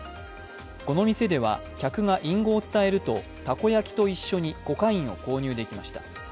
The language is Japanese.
この店では、客が隠語を伝えるとたこ焼きと一緒にコカインを購入できました。